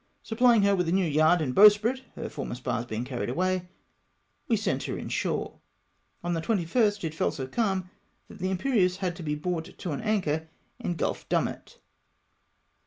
Supply ing her with a new yard and bowsprit, her former spars being carried away, we sent her in shore. On the 21st it fell so calm, that the Imperieuse had to be brought to an anchor in Gulf Dumet.